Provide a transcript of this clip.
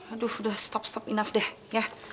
aduh udah stop stop enough deh